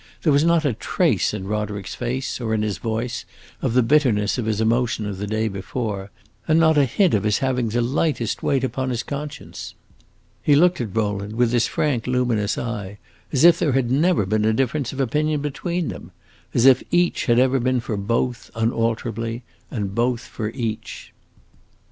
There was not a trace in Roderick's face, or in his voice, of the bitterness of his emotion of the day before, and not a hint of his having the lightest weight upon his conscience. He looked at Rowland with his frank, luminous eye as if there had never been a difference of opinion between them; as if each had ever been for both, unalterably, and both for each.